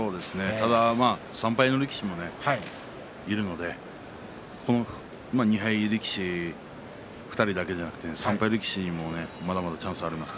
ただ３敗の力士もいるので２敗力士の２人だけではなくて３敗力士にもまだまだチャンスがあります。